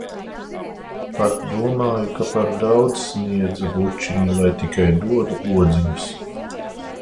Pat domāju, ka par daudz sniedza bučiņu, lai tikai dodu odziņas.